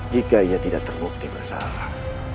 jika ia tidak terbukti bersalah